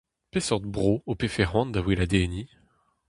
Peseurt bro ho pefe c'hoant da weladenniñ ?